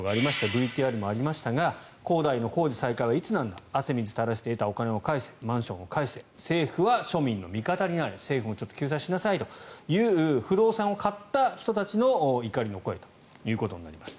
ＶＴＲにもありましたが恒大の工事再開はいつなのか汗水垂らして得たお金を返せマンションを返せ政府は庶民の味方になれ政府も救済しなさいという不動産を買った人たちの怒りの声ということになります。